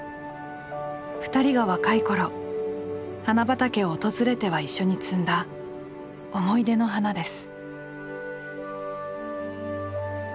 ２人が若い頃花畑を訪れては一緒に摘んだ思い出の花です。